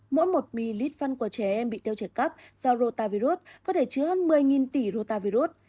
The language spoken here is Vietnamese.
mỗi một mi lít phân của trẻ em bị tiêu chảy cấp do rô ta virus có thể chứa hơn một mươi tỷ rô ta virus